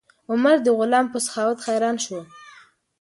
عمر د غلام په سخاوت حیران شو.